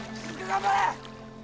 頑張れ！